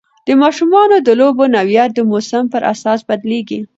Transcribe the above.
د ماشومانو د لوبو نوعیت د موسم پر اساس بدلېږي.